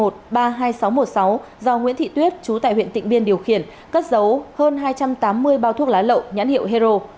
do nguyễn thị tuyết chú tại huyện tịnh biên điều khiển cất dấu hơn hai trăm tám mươi bao thuốc lá lậu nhãn hiệu hero